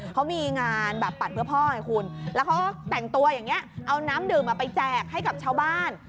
เขามีงานแบบปัดเพื่อพ่อไงคุณแล้วเขาก็แต่งตัวอย่างนี้เอาน้ำดื่มไปแจกให้กับชาวบ้าน